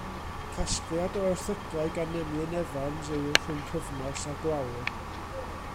Casgliad o erthyglau gan Emlyn Evans yw Rhwng Cyfnos a Gwawr.